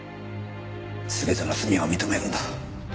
全ての罪を認めるんだ。